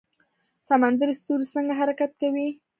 سمندري ستوری څنګه حرکت کوي؟